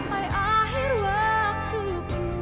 sampai akhir waktu ku